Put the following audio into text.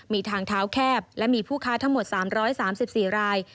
มีทางเท้าแคบและมีผู้ค้าทั้งหมด๓๓๔ราย